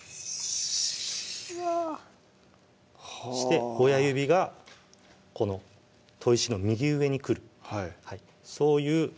そして親指がこの砥石の右上にくるそういう